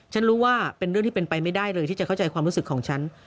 ฉันรู้ว่าเป็นเรื่องที่เป็นไปไม่ได้เลยที่จะเข้าใจความรู้สึกของฉัน